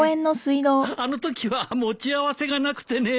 あのときは持ち合わせがなくてね。